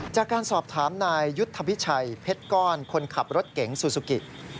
จากการสอบถามนายยุทธพิชัยเพชรก้อนคนขับรถเก๋งซูซูกิ